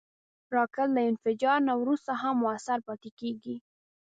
راکټ له انفجار نه وروسته هم مؤثر پاتې کېږي